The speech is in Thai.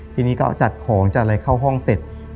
ทีนี้ก็จัดของจัดอะไรเข้าห้องเสร็จ